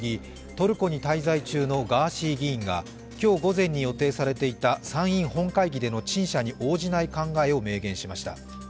トルコに滞在中のガーシー議員が今日午前に予定されていた参院本会議での陳謝に応じない考えを明言しました。